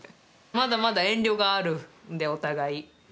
まだまだ遠慮があるんでお互い。